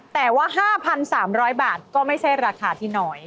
แต่ว่า๕๓๐๐บาทก็ไม่ใช่ราคาที่น้อย